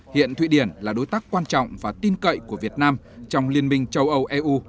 hiện thụy điển là đối tác quan trọng và tin cậy của việt nam trong liên minh châu âu eu